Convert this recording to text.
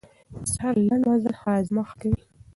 د سهار لنډ مزل هاضمه ښه کوي.